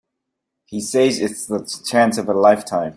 He says it's the chance of a lifetime.